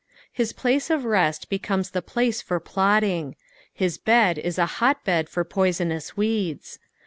His place of rest becomes the place tor plotting. His bed is a hot bed for poisonous weeds.